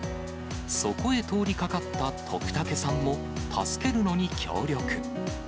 そこへ通りかかった徳武さんも、助けるのに協力。